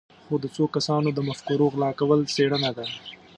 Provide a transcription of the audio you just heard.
خو د څو کسانو د مفکورو غلا کول څېړنه ده.